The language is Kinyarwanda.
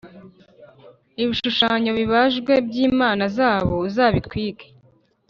Ibishushanyo bibajwe by’imana zabo uzabitwike.